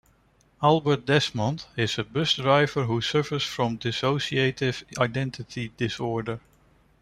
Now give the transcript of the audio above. Albert Desmond is a bus driver who suffers from dissociative identity disorder.